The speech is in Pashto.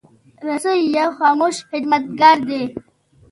رسۍ یو خاموش خدمتګار دی.